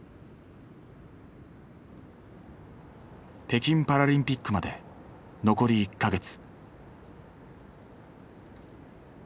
北京パラリンピックまで残り１か月。